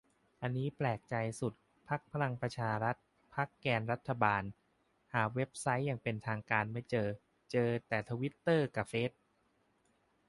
อันนี้แปลกใจสุด พรรคพลังประชารัฐ พรรคแกนรัฐบาล หาเว็บไซต์อย่างเป็นทางการไม่เจอ เจอแต่ทวิตเตอร์กะเฟซ